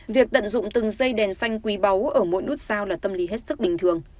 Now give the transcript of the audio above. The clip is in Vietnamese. việc tận dụng từng dây đèn xanh quý báu ở mỗi nút sao là tâm lý hết sức bình thường